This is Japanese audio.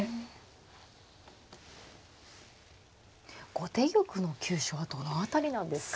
後手玉の急所はどの辺りなんですか。